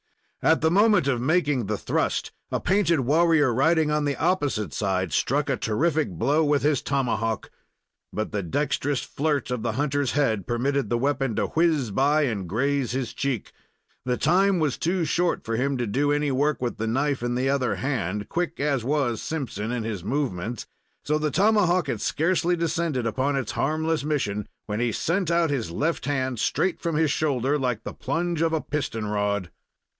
At the moment of making the thrust, a painted warrior riding on the opposite side struck a terrific blow with his tomahawk, but the dextrous flirt of the hunter's head permitted the weapon to whizz by and graze his cheek. The time was to short for him to do any work with the knife in the other hand, quick as was Simpson in his movements; so the tomahawk had scarcely descended upon its harmless mission when he sent out his left hand straight from his shoulder, like the plunge of a piston rod.